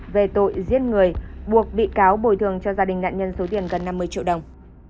về tội giết người buộc bị cáo bồi thường cho gia đình nạn nhân số tiền gần năm mươi triệu đồng